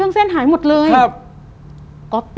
เออเออเออ